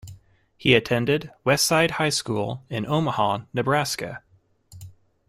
He attended Westside High School in Omaha, Nebraska.